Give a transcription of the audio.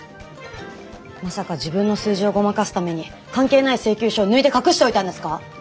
まさか自分の数字をごまかすために関係ない請求書を抜いて隠しておいたんですか？